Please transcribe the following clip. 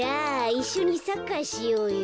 いっしょにサッカーしようよ。